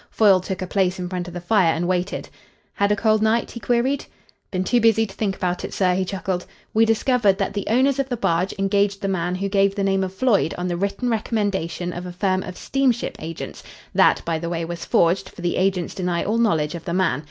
Foyle took a place in front of the fire and waited. "Had a cold night?" he queried. "Been too busy to think about it, sir," he chuckled. "We discovered that the owners of the barge engaged the man who gave the name of Floyd on the written recommendation of a firm of steamship agents that, by the way, was forged, for the agents deny all knowledge of the man.